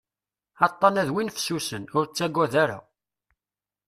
Aṭṭan-a d win fessusen, ur ttaggad ara.